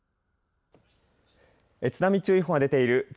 津波注意報が出ています。